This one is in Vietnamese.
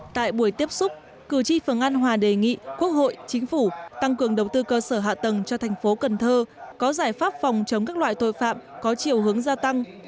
tại buổi tiếp xúc cử tri phường an hòa đề nghị quốc hội chính phủ tăng cường đầu tư cơ sở hạ tầng cho thành phố cần thơ có giải pháp phòng chống các loại tội phạm có chiều hướng gia tăng